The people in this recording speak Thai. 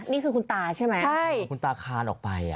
นี่คือคุณตาใช่ไหมคุณตาคลานออกไปอ่ะใช่